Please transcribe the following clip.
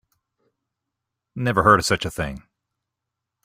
Never heard of such a thing.